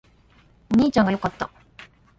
お兄ちゃんが良かった